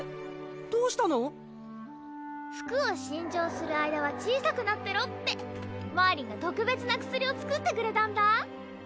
服を新調する間は小さくなってろってマーリンが特別な薬を作ってくれたんだ。